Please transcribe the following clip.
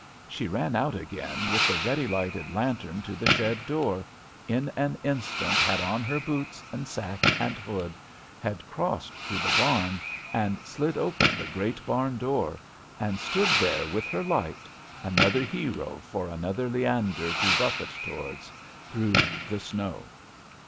She ran out again with the ready lighted lantern to the shed door, in an instant had on her boots and sack and hood, had crossed to the barn, and slid open the great barn door, and stood there with her light, another Hero for another Leander to buffet towards, through the snow.